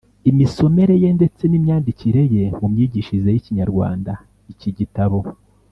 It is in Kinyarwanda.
imisomere ye ndetse n’imyandikire ye. Mu myigishirize y’Ikinyarwanda, iki gitabo